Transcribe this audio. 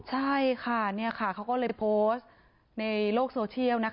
ใช่ค่ะเขาก็เลยโพสต์ในโลกโซเชียล